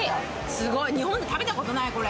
すごい、日本で食べたことない、これ。